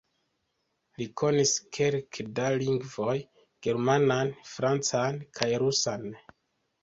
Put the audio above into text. Li konis kelke da lingvoj: germanan, francan kaj rusan.